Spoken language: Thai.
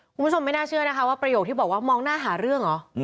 คุณผู้ชมไม่น่าเชื่อนะคะว่าประโยคที่บอกว่ามองหน้าหาเรื่องเหรอ